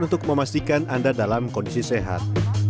untuk memastikan anda dalam kondisi sehat